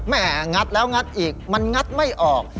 งัดแล้วงัดอีกมันงัดไม่ออก